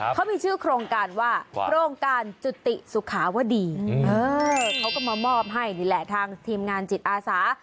เขามีชื่อโครงการว่าโครงการจุติสุขาวดีเขาก็มามอบให้นี่แหละทางทีมงานจิตอาสา